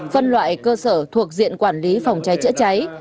phân loại cơ sở thuộc diện quản lý phòng cháy chữa cháy